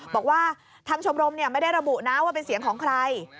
บอกว่าทางชมรมไม่ได้ระบุนะว่าเป็นเสียงของใคร